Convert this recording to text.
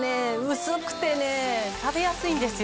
薄くてね食べやすいんですよ